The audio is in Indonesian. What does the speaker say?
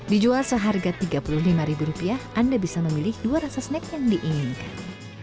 dijual seharga tiga puluh lima rupiah anda bisa memilih dua rasa snack yang diinginkan